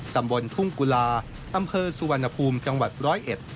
ตำรวจทุ่งกุฬาตำเภอสุวรรณภูมิจังหวัด๑๐๑